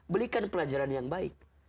belikan pelajaran yang baik